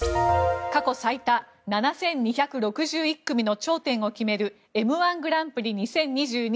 過去最多７２６１組の頂点を決めるＭ−１グランプリ２０２２